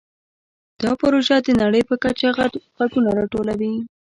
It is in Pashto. دا پروژه د نړۍ په کچه غږونه راټولوي.